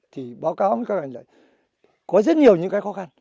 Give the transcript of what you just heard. thì báo cáo với các anh là có rất nhiều những cái khó khăn